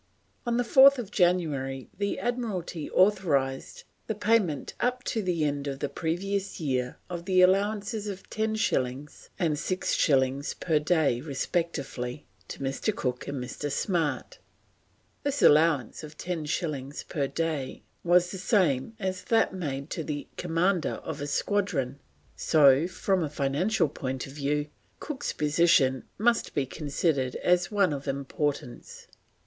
On 4th January the Admiralty authorised the payment up to the end of the previous year of the allowances of 10 shillings and 6 shillings per day, respectively, to Mr. Cook and Mr. Smart. This allowance of 10 shillings per day was the same as that made to the Commander of a Squadron, so, from a financial point of view, Cook's position must be considered one of importance.